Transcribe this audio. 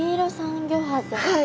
はい。